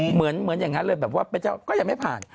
เหมือนอย่างนั้นเลยแบบว่าพระเจ้าก็ยังไม่ผ่าน